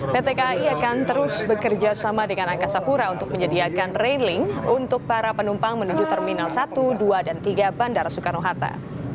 pt kai akan terus bekerja sama dengan angkasa pura untuk menyediakan railing untuk para penumpang menuju terminal satu dua dan tiga bandara soekarno hatta